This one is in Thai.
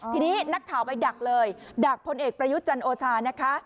ทีนี้นักข่าวไปดักเลยดักพลเอกประยุทธ์จันทร์โอชานะคะ